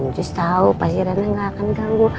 just tau pasti riana tidak akan ganggu